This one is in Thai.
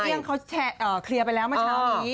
เรื่องเขาเคลียร์ไปแล้วเมื่อเช้านี้